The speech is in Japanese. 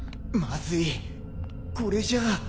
まずいこれじゃあ。